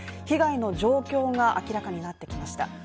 被害の状況が明らかになってきました。